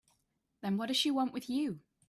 Then what does she want with you?